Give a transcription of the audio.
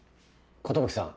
寿さん